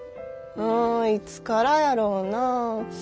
うんいつからやろうな？